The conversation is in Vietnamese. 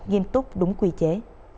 nghiêm túc đúng quy chế